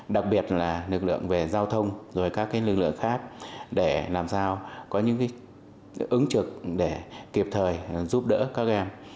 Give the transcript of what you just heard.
đặc biệt là lực lượng về giao thông rồi các lực lượng khác để làm sao có những ứng trực để kịp thời giúp đỡ các em